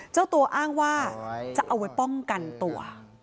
เจ้าตัวอ้างว่าจะเอาไว้ป้องกันตัว